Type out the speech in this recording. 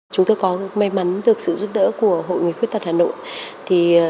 chúng tôi có may mắn được sự giúp đỡ của hội người khuyết tật hà nội